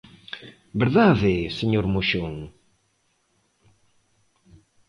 ¿Verdade, señor Moxón?